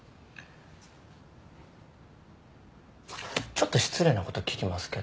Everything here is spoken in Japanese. ちょっと失礼なこと聞きますけど。